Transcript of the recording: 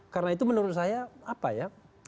karena itu menurut saya apa ya